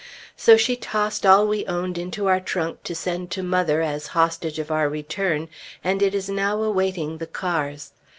So she tossed all we owned into our trunk to send to mother as hostage of our return, and it is now awaiting the cars.